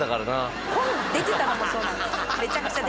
出てたのもそうなんです。